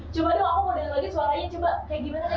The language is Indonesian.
coba dong aku mau dengar lagi suaranya coba kayak gimana kak gita